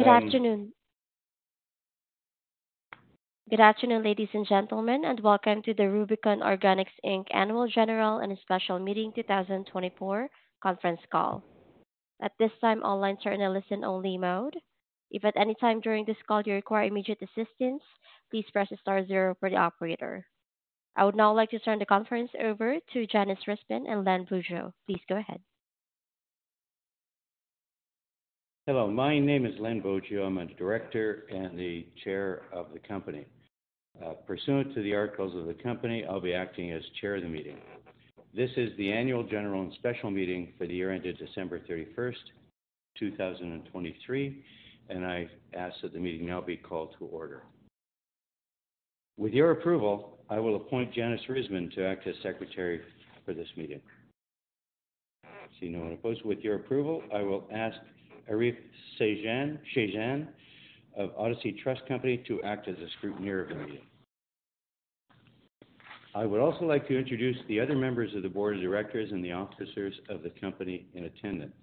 Good afternoon. Good afternoon, ladies and gentlemen, and welcome to the Rubicon Organics Inc Annual General and Special Meeting 2024 Conference Call. At this time, all lines are in a listen-only mode. If at any time during this call you require immediate assistance, please press star zero for the operator. I would now like to turn the conference over to Janis Risbin and Len Boggio. Please go ahead. Hello, my name is Len Boggio. I'm a Director and the Chair of the company. Pursuant to the articles of the company, I'll be acting as chair of the meeting. This is the annual general and special meeting for the year-ended December 31st, 2023, and I ask that the meeting now be called to order. With your approval, I will appoint Janis Risbin to act as secretary for this meeting. See no one opposed. With your approval, I will ask Arif Sejan of Odyssey Trust Company to act as a scrutineer of the meeting. I would also like to introduce the other members of the board of directors and the officers of the company in attendance: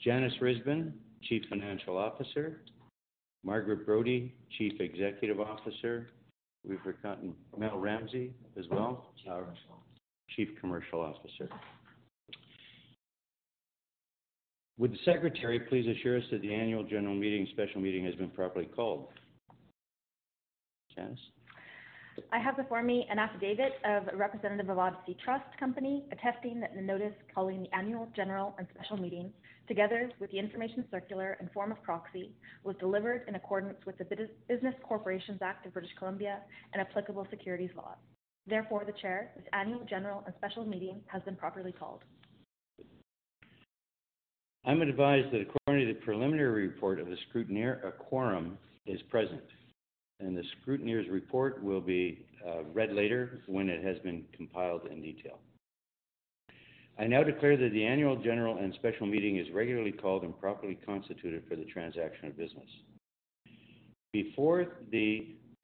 Janis Risbin, Chief Financial Officer; Margaret Brodie, Chief Executive Officer; Melanie Ramsey, as well our Chief Commercial Officer. Would the secretary please assure us that the annual general meeting special meeting has been properly called? Janis? I have before me an affidavit of a representative of Odyssey Trust Company attesting that the notice calling the annual general and special meeting, together with the information circular in form of proxy, was delivered in accordance with the Business Corporations Act of British Columbia and applicable securities law. Therefore, the Chair, this annual general and special meeting has been properly called. I'm advised that according to the preliminary report of the scrutineer, a quorum is present, and the scrutineer's report will be read later when it has been compiled in detail. I now declare that the annual general and special meeting is regularly called and properly constituted for the transaction of business. Before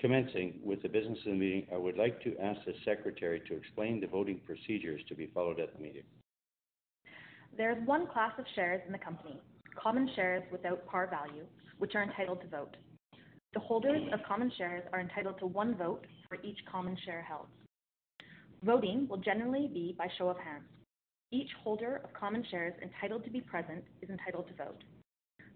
commencing with the business of the meeting, I would like to ask the secretary to explain the voting procedures to be followed at the meeting. There is one class of shares in the company, common shares without par value, which are entitled to vote. The holders of common shares are entitled to one vote for each common share held. Voting will generally be by show of hands. Each holder of common shares entitled to be present is entitled to vote.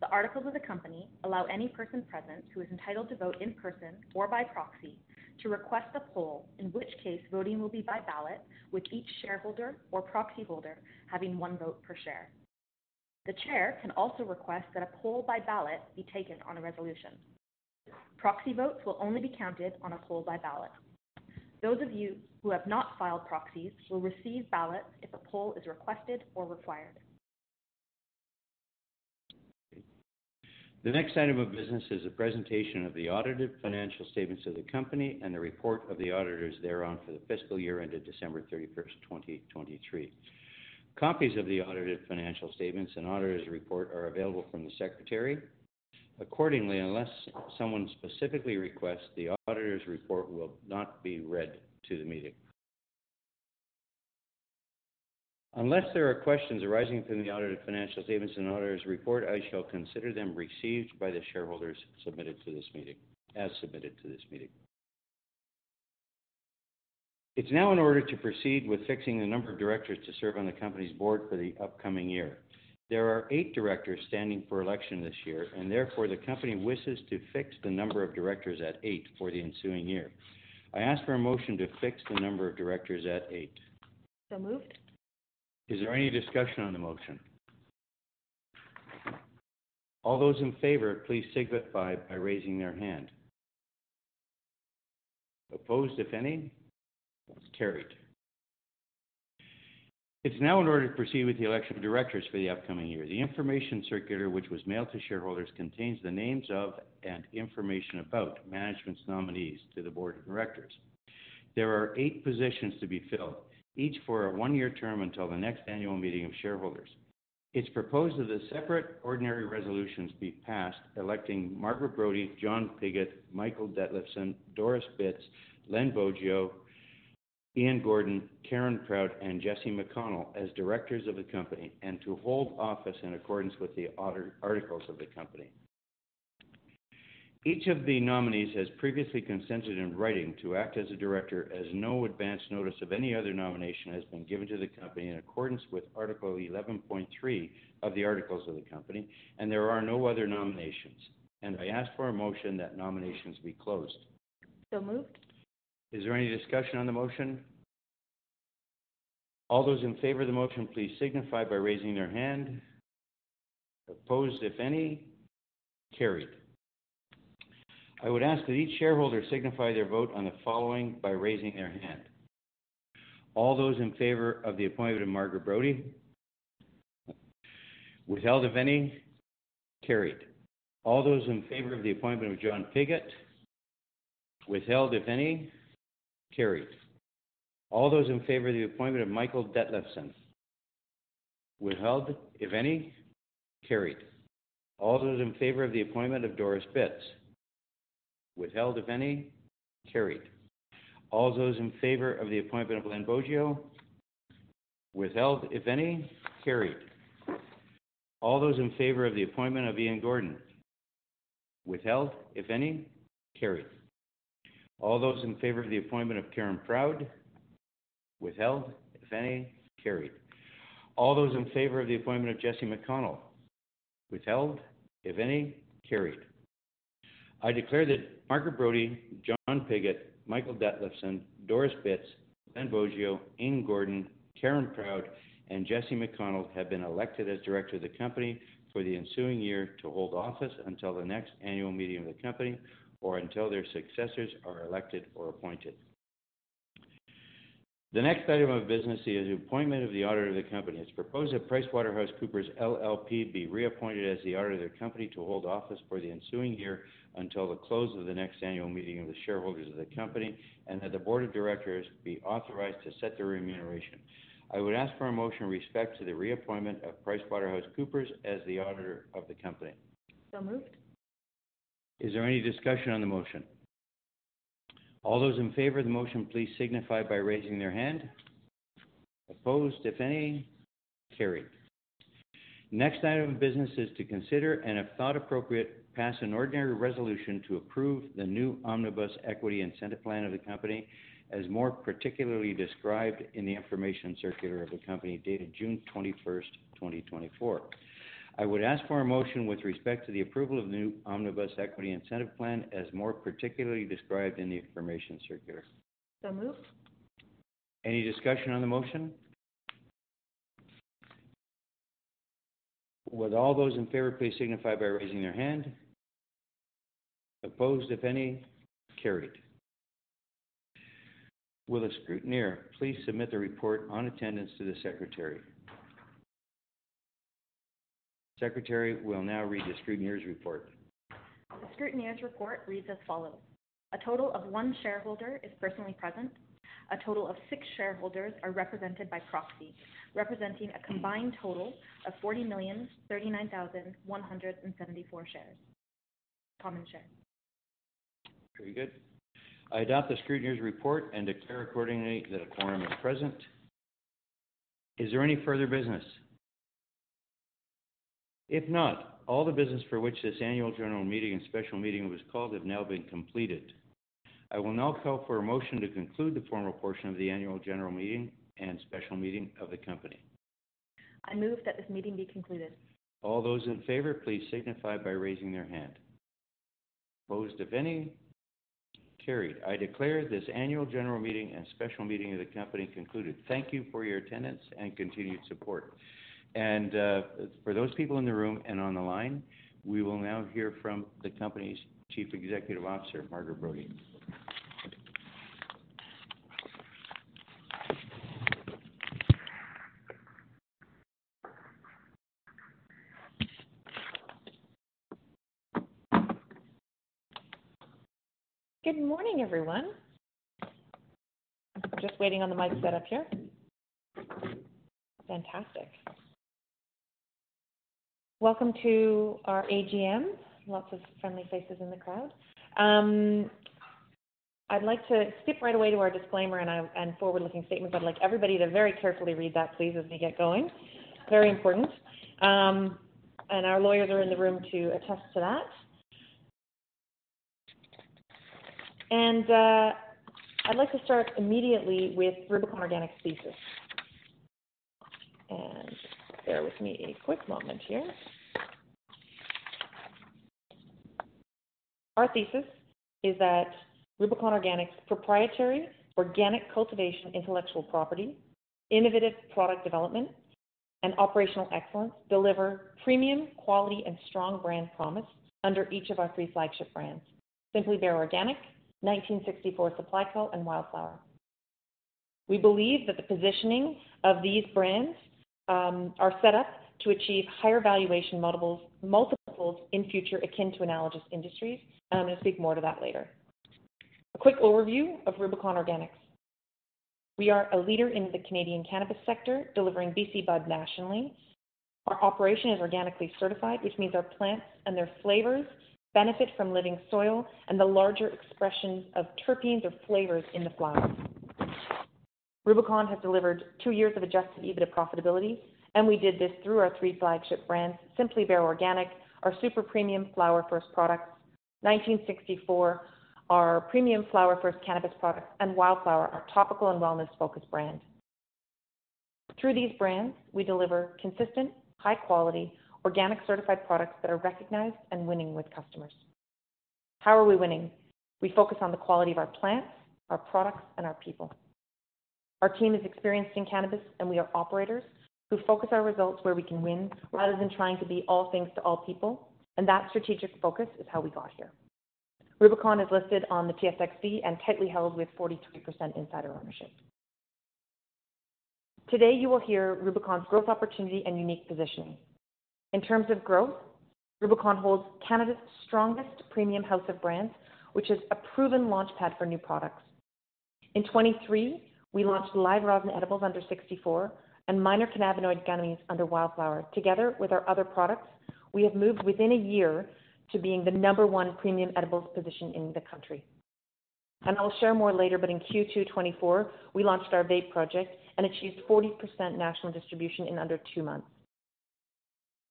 The articles of the company allow any person present who is entitled to vote in person or by proxy to request a poll, in which case voting will be by ballot, with each shareholder or proxy holder having one vote per share. The chair can also request that a poll by ballot be taken on a resolution. Proxy votes will only be counted on a poll by ballot. Those of you who have not filed proxies will receive ballots if a poll is requested or required. The next item of business is a presentation of the audited financial statements of the company and the report of the auditors thereon for the fiscal year-ended December 31st, 2023. Copies of the audited financial statements and auditor's report are available from the secretary. Accordingly, unless someone specifically requests, the auditor's report will not be read to the meeting. Unless there are questions arising from the audited financial statements and auditor's report, I shall consider them received by the shareholders submitted to this meeting as submitted to this meeting. It's now in order to proceed with fixing the number of directors to serve on the company's board for the upcoming year. There are eight directors standing for election this year, and therefore the company wishes to fix the number of directors at eight for the ensuing year. I ask for a motion to fix the number of directors at eight. So moved. Is there any discussion on the motion? All those in favor, please signify by raising their hand. Opposed, if any? Carried. It's now in order to proceed with the election of directors for the upcoming year. The information circular, which was mailed to shareholders, contains the names of and information about management's nominees to the board of directors. There are eight positions to be filled, each for a one-year term until the next annual meeting of shareholders. It's proposed that the separate ordinary resolutions be passed, electing Margaret Brodie, John Pigott, Michael Detlefsen, Doris Bitz, Len Boggio, Ian Gordon, Karen Proud, and Jesse McConnell as directors of the company and to hold office in accordance with the articles of the company. Each of the nominees has previously consented in writing to act as a director, as no advance notice of any other nomination has been given to the company in accordance with Article 11.3 of the articles of the company, and there are no other nominations. I ask for a motion that nominations be closed. So moved. Is there any discussion on the motion? All those in favor of the motion, please signify by raising their hand. Opposed, if any? Carried. I would ask that each shareholder signify their vote on the following by raising their hand. All those in favor of the appointment of Margaret Brodie? Withheld, if any? Carried. All those in favor of the appointment of John Pigott? Withheld, if any? Carried. All those in favor of the appointment of Michael Detlefsen? Withheld, if any? Carried. All those in favor of the appointment of Doris Bitz? Withheld, if any? Carried. All those in favor of the appointment of Len Boggio? Withheld, if any? Carried. All those in favor of the appointment of Ian Gordon? Withheld, if any? Carried. All those in favor of the appointment of Karen Proud? Withheld, if any? Carried. All those in favor of the appointment of Jesse McConnell? Withheld, if any? Carried. I declare that Margaret Brodie, John Pigott, Michael Detlefsen, Doris Bitz, Len Boggio, Ian Gordon, Karen Proud, and Jesse McConnell have been elected as directors of the company for the ensuing year to hold office until the next annual meeting of the company or until their successors are elected or appointed. The next item of business is the appointment of the auditor of the company. It's proposed that PricewaterhouseCoopers LLP be reappointed as the auditor of the company to hold office for the ensuing year until the close of the next annual meeting of the shareholders of the company and that the board of directors be authorized to set their remuneration. I would ask for a motion with respect to the reappointment of PricewaterhouseCoopers as the auditor of the company. So moved. Is there any discussion on the motion? All those in favor of the motion, please signify by raising their hand. Opposed, if any? Carried. Next item of business is to consider and, if thought appropriate, pass an ordinary resolution to approve the new Omnibus Equity Incentive Plan of the company as more particularly described in the information circular of the company dated June 21st, 2024. I would ask for a motion with respect to the approval of the new Omnibus Equity Incentive Plan as more particularly described in the information circular. So moved. Any discussion on the motion? With all those in favor, please signify by raising their hand. Opposed, if any? Carried. Will the scrutineer please submit the report on attendance to the secretary? Secretary will now read the scrutineer's report. The scrutineer's report reads as follows: A total of one shareholder is personally present. A total of six shareholders are represented by proxy, representing a combined total of 40,039,174 shares. Common Shares. Very good. I adopt the scrutineer's report and declare accordingly that a quorum is present. Is there any further business? If not, all the business for which this annual general meeting and special meeting was called have now been completed. I will now call for a motion to conclude the formal portion of the annual general meeting and special meeting of the company. I move that this meeting be concluded. All those in favor, please signify by raising their hand. Opposed, if any? Carried. I declare this annual general meeting and special meeting of the company concluded. Thank you for your attendance and continued support. For those people in the room and on the line, we will now hear from the company's Chief Executive Officer, Margaret Brodie. Good morning, everyone. Just waiting on the mic set up here. Fantastic. Welcome to our AGM, lots of friendly faces in the crowd. I'd like to skip right away to our disclaimer and forward-looking statements. I'd like everybody to very carefully read that, please, as we get going. Very important. And our lawyers are in the room to attest to that. And I'd like to start immediately with Rubicon Organics' thesis. And bear with me a quick moment here. Our thesis is that Rubicon Organics' proprietary organic cultivation intellectual property, innovative product development, and operational excellence deliver premium quality and strong brand promise under each of our three flagship brands: Simply Bare Organic, 1964 Supply Co, and Wildflower. We believe that the positioning of these brands is set up to achieve higher valuation multiples in future akin to analogous industries. I'm going to speak more to that later. A quick overview of Rubicon Organics. We are a leader in the Canadian cannabis sector, delivering BC Bud nationally. Our operation is organically certified, which means our plants and their flavors benefit from living soil and the larger expressions of terpenes or flavors in the flowers. Rubicon has delivered two years of Adjusted EBITDA profitability, and we did this through our three flagship brands: Simply Bare Organic, our super premium flower-first products, 1964, our premium flower-first cannabis products, and Wildflower, our topical and wellness-focused brand. Through these brands, we deliver consistent, high-quality, organic certified products that are recognized and winning with customers. How are we winning? We focus on the quality of our plants, our products, and our people. Our team is experienced in cannabis, and we are operators who focus our results where we can win rather than trying to be all things to all people. That strategic focus is how we got here. Rubicon is listed on the TSXB and tightly held with 43% insider ownership. Today, you will hear Rubicon's growth opportunity and unique positioning. In terms of growth, Rubicon holds Canada's strongest premium house of brands, which is a proven launchpad for new products. In 2023, we launched live rosin edibles under 64 and minor cannabinoid gummies under Wildflower. Together with our other products, we have moved within a year to being the number 1 premium edibles position in the country. I'll share more later, but in Q2 2024, we launched our Vape project and achieved 40% national distribution in under 2 months.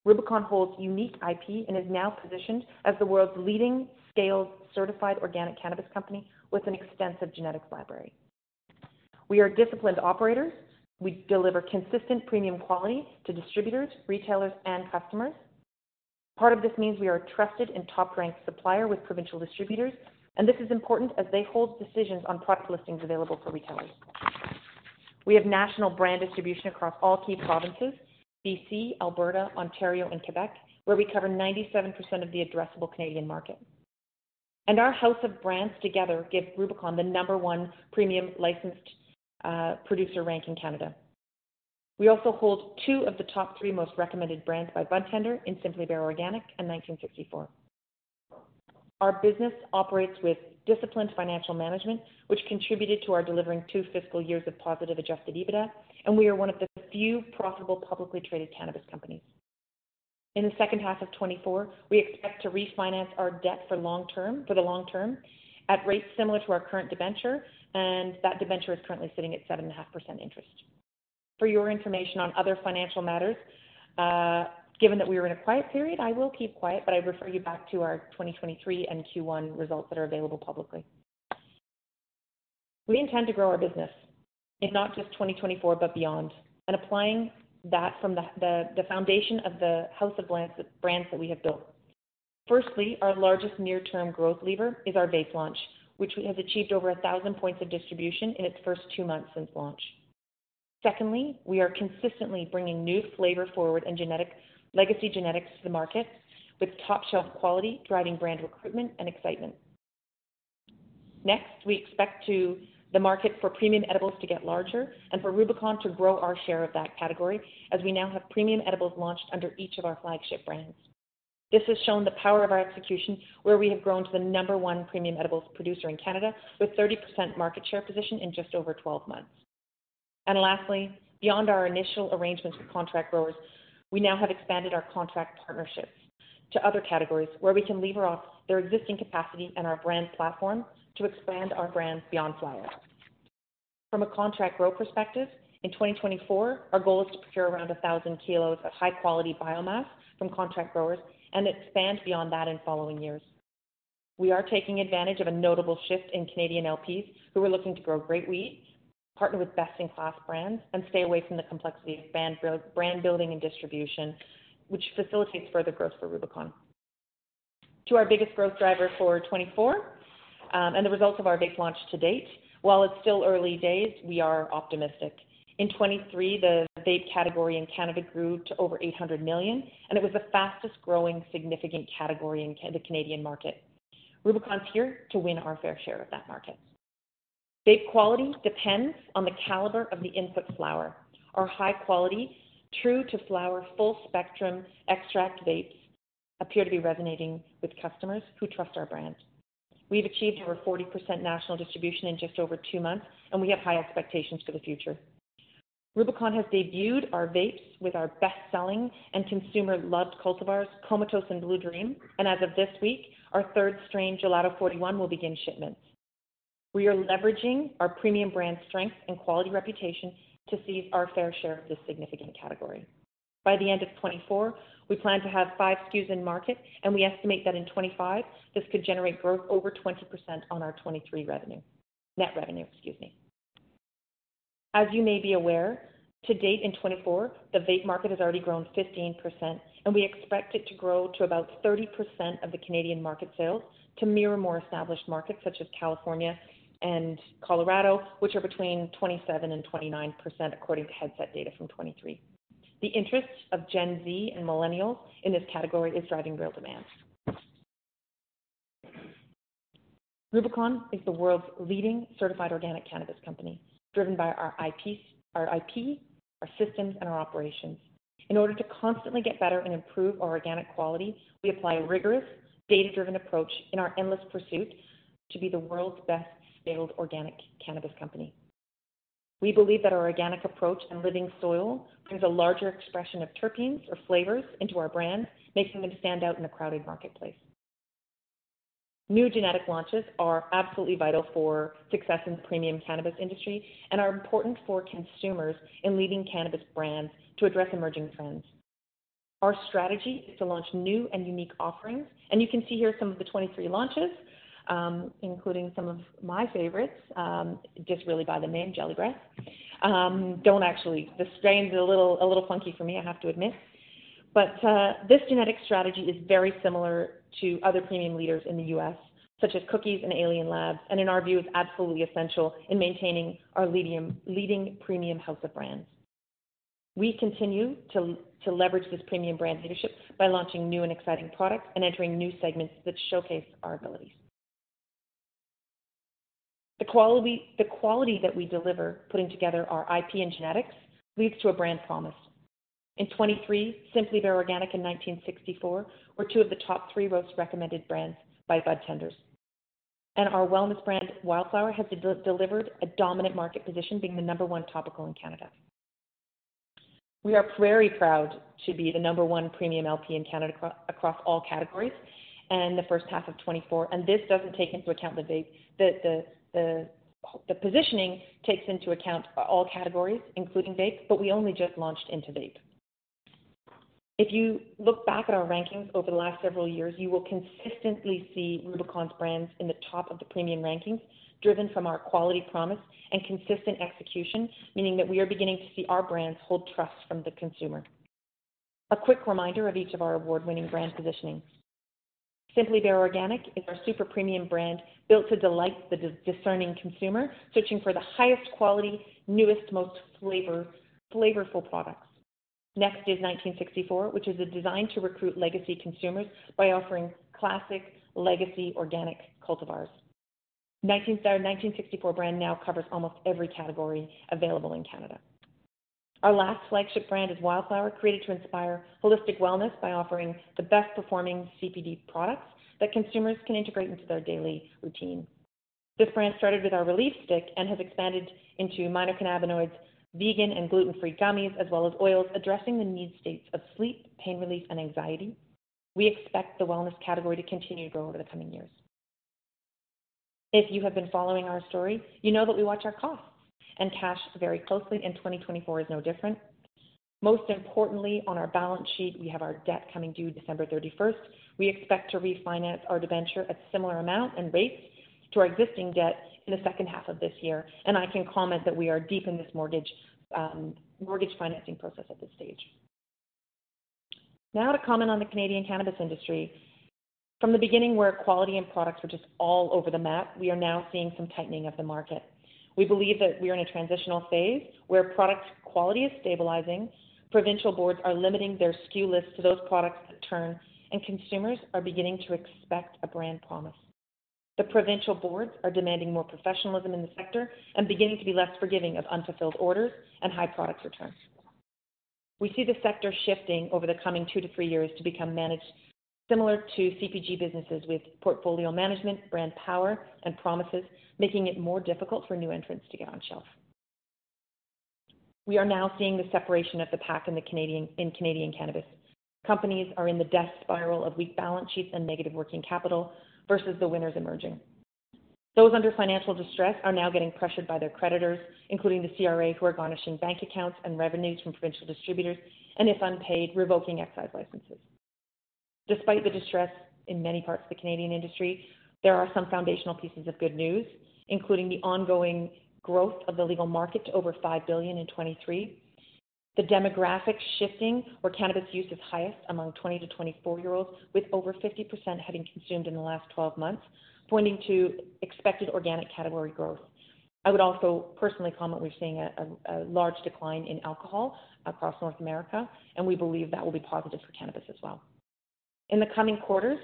Rubicon holds unique IP and is now positioned as the world's leading scaled certified organic cannabis company with an extensive genetics library. We are disciplined operators. We deliver consistent premium quality to distributors, retailers, and customers. Part of this means we are a trusted and top-ranked supplier with provincial distributors, and this is important as they hold decisions on product listings available for retailers. We have national brand distribution across all key provinces: BC, Alberta, Ontario, and Quebec, where we cover 97% of the addressable Canadian market. Our house of brands together gives Rubicon the number one premium Licensed Producer rank in Canada. We also hold two of the top three most recommended brands by Budtender in Simply Bare Organic and 1964. Our business operates with disciplined financial management, which contributed to our delivering two fiscal years of positive Adjusted EBITDA, and we are one of the few profitable publicly traded cannabis companies. In the second half of 2024, we expect to refinance our debt for the long term at rates similar to our current debenture, and that debenture is currently sitting at 7.5% interest. For your information on other financial matters, given that we are in a quiet period, I will keep quiet, but I refer you back to our 2023 and Q1 results that are available publicly. We intend to grow our business in not just 2024, but beyond, and applying that from the foundation of the house of brands that we have built. Firstly, our largest near-term growth lever is our Vape launch, which has achieved over 1,000 points of distribution in its first two months since launch. Secondly, we are consistently bringing new flavor forward and legacy genetics to the market with top-shelf quality, driving brand recruitment and excitement. Next, we expect the market for premium edibles to get larger and for Rubicon to grow our share of that category as we now have premium edibles launched under each of our flagship brands. This has shown the power of our execution, where we have grown to the number one premium edibles producer in Canada with 30% market share position in just over 12 months. Lastly, beyond our initial arrangements with contract growers, we now have expanded our contract partnerships to other categories where we can leverage their existing capacity and our brand platform to expand our brand beyond flower. From a contract grow perspective, in 2024, our goal is to procure around 1,000 kilos of high-quality biomass from contract growers and expand beyond that in following years. We are taking advantage of a notable shift in Canadian LPs who are looking to grow great weed, partner with best-in-class brands, and stay away from the complexity of brand building and distribution, which facilitates further growth for Rubicon. To our biggest growth driver for 2024 and the results of our Vape launch to date, while it's still early days, we are optimistic. In 2023, the Vape category in Canada grew to over 800 million, and it was the fastest-growing significant category in the Canadian market. Rubicon's here to win our fair share of that market. Vape quality depends on the caliber of the input flower. Our high-quality, true-to-flower, full-spectrum extract vapes appear to be resonating with customers who trust our brand. We've achieved over 40% national distribution in just over two months, and we have high expectations for the future. Rubicon has debuted our vapes with our best-selling and consumer-loved cultivars, Comatose and Blue Dream, and as of this week, our third strain, Gelato #41, will begin shipments. We are leveraging our premium brand strength and quality reputation to seize our fair share of this significant category. By the end of 2024, we plan to have five SKUs in market, and we estimate that in 2025, this could generate growth over 20% on our 2023 revenue, net revenue, excuse me. As you may be aware, to date in 2024, the vape market has already grown 15%, and we expect it to grow to about 30% of the Canadian market sales to mirror more established markets such as California and Colorado, which are between 27%-29% according to Headset data from 2023. The interest of Gen Z and millennials in this category is driving real demand. Rubicon is the world's leading certified organic cannabis company, driven by our IP, our systems, and our operations. In order to constantly get better and improve our organic quality, we apply a rigorous, data-driven approach in our endless pursuit to be the world's best-scaled organic cannabis company. We believe that our organic approach and living soil brings a larger expression of terpenes or flavors into our brands, making them stand out in a crowded marketplace. New genetic launches are absolutely vital for success in the premium cannabis industry and are important for consumers in leading cannabis brands to address emerging trends. Our strategy is to launch new and unique offerings, and you can see here some of the 2023 launches, including some of my favorites, just really by the name Jelly Breath. Don't actually, the strain is a little funky for me, I have to admit. But this genetic strategy is very similar to other premium leaders in the U.S., such as Cookies and Alien Labs, and in our view, is absolutely essential in maintaining our leading premium house of brands. We continue to leverage this premium brand leadership by launching new and exciting products and entering new segments that showcase our abilities. The quality that we deliver, putting together our IP and genetics, leads to a brand promise. In 2023, Simply Bare Organic and 1964 were two of the top three most recommended brands by Budtenders. And our wellness brand, Wildflower, has delivered a dominant market position, being the number one topical in Canada. We are very proud to be the number one premium LP in Canada across all categories in the first half of 2024. And this doesn't take into account the positioning; it takes into account all categories, including vape, but we only just launched into vape. If you look back at our rankings over the last several years, you will consistently see Rubicon's brands in the top of the premium rankings, driven from our quality promise and consistent execution, meaning that we are beginning to see our brands hold trust from the consumer. A quick reminder of each of our award-winning brand positionings. Simply Bare Organic is our super premium brand built to delight the discerning consumer, searching for the highest quality, newest, most flavorful products. Next is 1964, which is designed to recruit legacy consumers by offering classic legacy organic cultivars. Our 1964 brand now covers almost every category available in Canada. Our last flagship brand is Wildflower, created to inspire holistic wellness by offering the best-performing CBD products that consumers can integrate into their daily routine. This brand started with our relief stick and has expanded into minor cannabinoids, vegan and gluten-free gummies, as well as oils, addressing the need states of sleep, pain relief, and anxiety. We expect the wellness category to continue to grow over the coming years. If you have been following our story, you know that we watch our costs and cash very closely, and 2024 is no different. Most importantly, on our balance sheet, we have our debt coming due December 31st. We expect to refinance our debenture at a similar amount and rate to our existing debt in the second half of this year. I can comment that we are deep in this mortgage financing process at this stage. Now, to comment on the Canadian cannabis industry. From the beginning, where quality and products were just all over the map, we are now seeing some tightening of the market. We believe that we are in a transitional phase where product quality is stabilizing. Provincial boards are limiting their SKU lists to those products that turn, and consumers are beginning to expect a brand promise. The provincial boards are demanding more professionalism in the sector and beginning to be less forgiving of unfulfilled orders and high product return. We see the sector shifting over the coming two to three years to become managed similar to CPG businesses with portfolio management, brand power, and promises, making it more difficult for new entrants to get on shelf. We are now seeing the separation of the pack in Canadian cannabis. Companies are in the death spiral of weak balance sheets and negative working capital versus the winners emerging. Those under financial distress are now getting pressured by their creditors, including the CRA, who are garnishing bank accounts and revenues from provincial distributors and, if unpaid, revoking excise licenses. Despite the distress in many parts of the Canadian industry, there are some foundational pieces of good news, including the ongoing growth of the legal market to over 5 billion in 2023, the demographic shifting where cannabis use is highest among 20-24-year-olds, with over 50% having consumed in the last 12 months, pointing to expected organic category growth. I would also personally comment we're seeing a large decline in alcohol across North America, and we believe that will be positive for cannabis as well. In the coming quarters,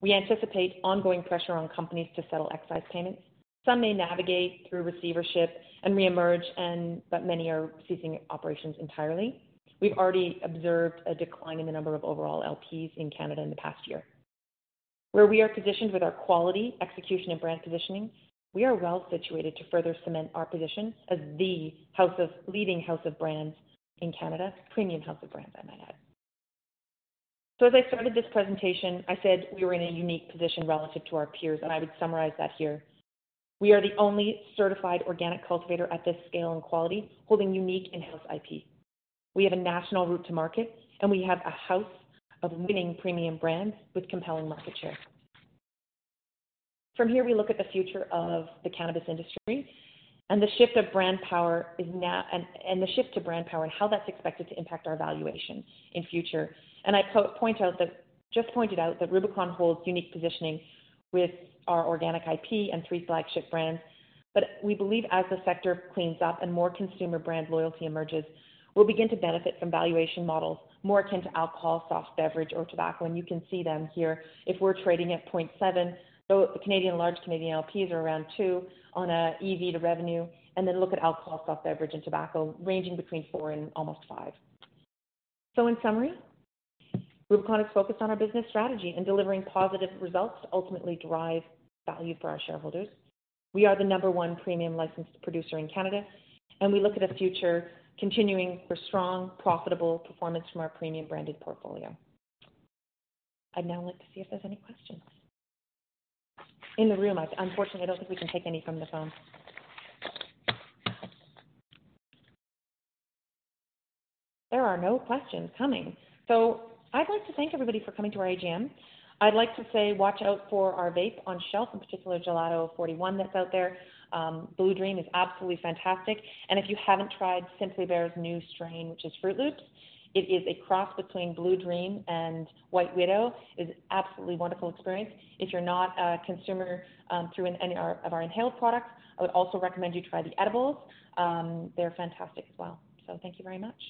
we anticipate ongoing pressure on companies to settle excise payments. Some may navigate through receivership and reemerge, but many are ceasing operations entirely. We've already observed a decline in the number of overall LPs in Canada in the past year. Where we are positioned with our quality, execution, and brand positioning, we are well situated to further cement our position as the leading house of brands in Canada, premium house of brands, I might add. So, as I started this presentation, I said we were in a unique position relative to our peers, and I would summarize that here. We are the only certified organic cultivator at this scale and quality, holding unique in-house IP. We have a national route to market, and we have a house of winning premium brands with compelling market share. From here, we look at the future of the cannabis industry and the shift of brand power and the shift to brand power and how that's expected to impact our valuation in future. I just pointed out that Rubicon holds unique positioning with our organic IP and three flagship brands. But we believe as the sector cleans up and more consumer brand loyalty emerges, we'll begin to benefit from valuation models more akin to alcohol, soft beverage, or tobacco. You can see them here. If we're trading at 0.7, the large Canadian LPs are around two on an EV to revenue, and then look at alcohol, soft beverage, and tobacco ranging between four and almost five. So, in summary, Rubicon is focused on our business strategy and delivering positive results to ultimately drive value for our shareholders. We are the number one premium licensed producer in Canada, and we look at a future continuing for strong, profitable performance from our premium branded portfolio. I'd now like to see if there's any questions. In the room, unfortunately, I don't think we can take any from the phone. There are no questions coming. So, I'd like to thank everybody for coming to our AGM. I'd like to say watch out for our vape on shelf, in particular, Gelato #41 that's out there. Blue Dream is absolutely fantastic. And if you haven't tried Simply Bear's new strain, which is Fruit Loops, it is a cross between Blue Dream and White Widow. It is an absolutely wonderful experience. If you're not a consumer through any of our inhaled products, I would also recommend you try the edibles. They're fantastic as well. So, thank you very much.